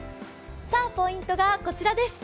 ポイントがこちらです。